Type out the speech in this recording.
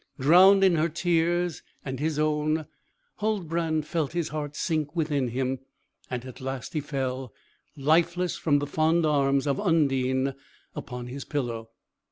Drowned in her tears and his own, Huldbrand felt his heart sink within him, and at last he fell lifeless from the fond arms of Undine upon his pillow.